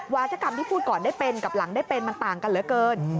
วาจกรรมที่พูดก่อนได้เป็นกับหลังได้เป็นมันต่างกันเหลือเกิน